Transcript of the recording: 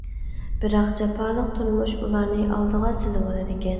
بىراق جاپالىق تۇرمۇش ئۇلارنى ئالدىغا سېلىۋالىدىكەن.